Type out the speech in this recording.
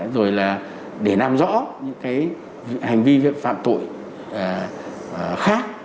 rồi là để làm rõ những hành vi viện phạm tội khác